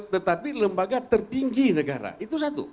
tetapi lembaga tertinggi negara itu satu